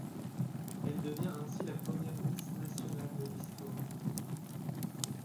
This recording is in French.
Elle devient ainsi la première Miss Nationale de l'histoire.